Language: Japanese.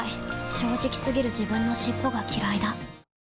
正直過ぎる自分の尻尾がきらいだ